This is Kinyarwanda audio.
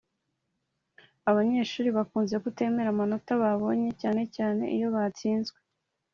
Abanyeshuri bakunze kutemera amanota babonye cyane cyane iyo batsinzwe.